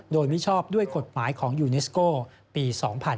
โดยมิชอบด้วยกฎหมายของยูเนสโก้ปี๒๕๕๙